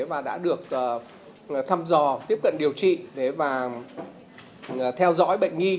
và đã được thăm dò tiếp cận điều trị và theo dõi bệnh nhi